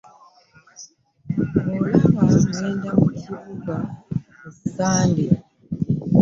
Olaba ŋŋenda mu kibuga ku ssande!